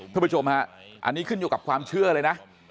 ผู้ชมฮะอันนี้ขึ้นอยู่กับความเชื่อเลยนะ